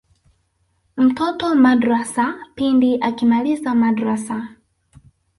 mtoto madrasa pindi akimaliza madrasa